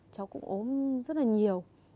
cháu cũng ốm rất là nhiều